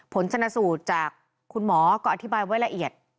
ผลชนสูตรจากคุณหมอก็อธิบายไว้ละเอียด